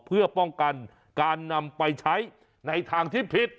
เพื่อป้องกันการนำไปใช้ในทางที่ผิด